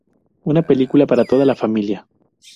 Una película para toda la familia.